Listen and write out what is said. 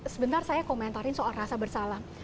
sebentar saya komentarin soal rasa bersalam